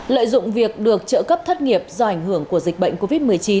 lợi dụng việc được trợ cấp thất nghiệp do ảnh hưởng của dịch bệnh covid một mươi chín